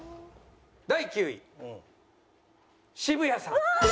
第９位渋谷さん。